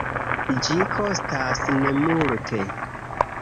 Ĝi kostas nemulte.